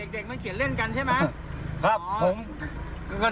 เด็กมันเขียนเล่นกันใช่ไหม